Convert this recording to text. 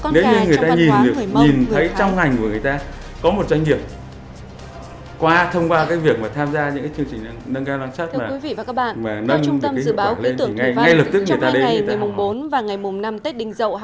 nếu như người ta nhìn thấy trong ngành của người ta có một doanh nghiệp qua thông qua cái việc mà tham gia những cái chương trình nâng cao năng suất mà nâng được cái hiệu quả lên thì ngay lập tức người ta đến người ta học học